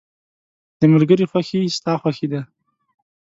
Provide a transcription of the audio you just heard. • د ملګري خوښي ستا خوښي ده.